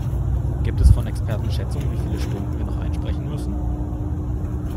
Gibt es von Experten Schätzungen, wie viele Stunden wir noch einsprechen müssen?